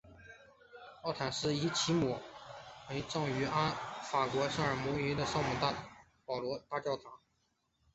奥坦丝与其母约瑟芬一起葬于法国圣皮埃尔与圣保罗大教堂。